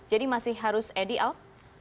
jadi masih harus edi out